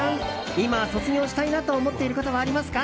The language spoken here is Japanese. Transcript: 今、卒業したいなと思っていることはありますか？